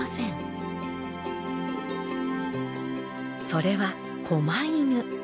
それはこま犬。